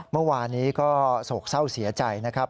เมื่อวานนี้ก็โศกเศร้าเสียใจนะครับ